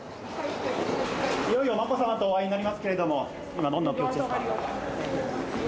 いよいよ眞子さまとお会いになりますけれども、今どんなお気持ちですか。